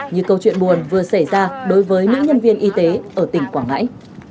như câu chuyện buồn vừa xảy ra đối với nữ nhân viên y tế ở tỉnh quảng ngãi